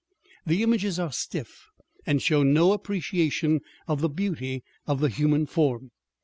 The images are stiff and show no appreciation of the beauty of the human form.